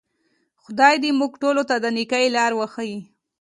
خدای دې موږ ټولو ته د نیکۍ لار وښیي.